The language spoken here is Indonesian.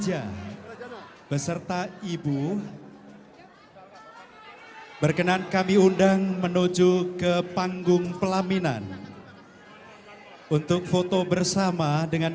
hai beserta ibu berkenan kami undang menuju ke panggung pelaminan untuk foto bersama dengan